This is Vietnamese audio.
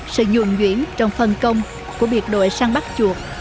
sự dùm duyễn trong phần công của biệt đội săn bắt chuột